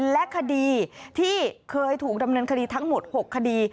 และคดีที่เคยถูกดำเนินคดีทั้งหมด๖คดี